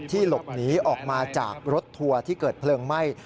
หลบหนีออกมาจากรถทัวร์ที่เกิดเพลิงไหม้